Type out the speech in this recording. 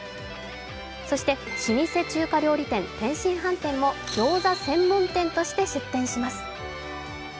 そして老舗中華料理店、天津飯店もギョーザ専門店として出店します。